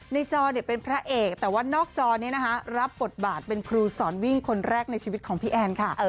จอเป็นพระเอกแต่ว่านอกจอนี้นะคะรับบทบาทเป็นครูสอนวิ่งคนแรกในชีวิตของพี่แอนค่ะ